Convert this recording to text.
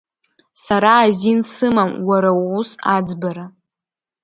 Сара азин сымам уара уус аӡбара…